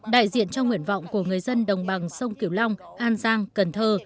đại diện trong nguyện vọng của người dân đồng bằng sông cửu long an giang cần thơ